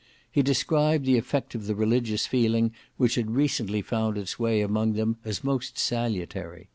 He described the effect of the religious feeling which had recently found its way among them as most salutary.